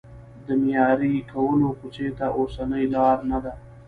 د معیاري کولو کوڅې ته اوسنۍ لار نه ده.